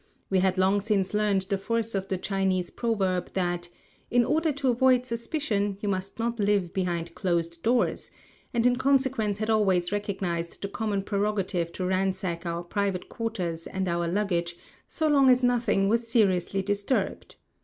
We had long since learned the force of the Chinese proverb that, "in order to avoid suspicion you must not live behind closed doors"; and in consequence had always recognized the common prerogative to ransack our private quarters and our luggage, so long as nothing was seriously disturbed.